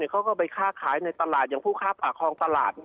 เขาก็ไปค้าขายในตลาดอย่างผู้ค้าปากคลองตลาด